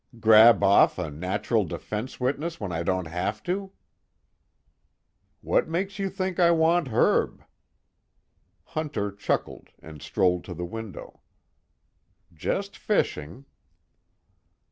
"Grab off a natural defense witness when I don't have to?" "What makes you think I want Herb?" Hunter chuckled and strolled to the window. "Just fishing."